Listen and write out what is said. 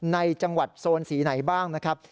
ในจังหวัดโซนสีไหนบ้างนะครับ